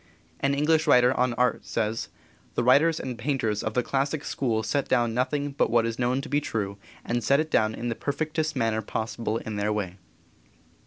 An English writer on art says: "The writers and painters of the classic school set down nothing but what is known to be true, and set it down in the perfectest manner possible in their way."